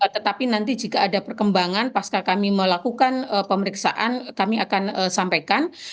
tetapi nanti jika ada perkembangan pasca kami melakukan pemeriksaan kami akan sampaikan